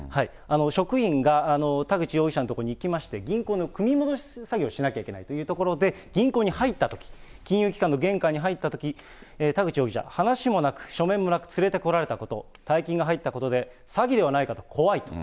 職員が田口容疑者のところに行きまして、銀行に組み戻し作業をしなきゃいけないというところで、銀行に入ったとき、金融機関の玄関に入ったとき、田口容疑者、話もなく、書面もなく、連れてこられたこと、大金が入ったことで、詐欺ではないかと怖いと。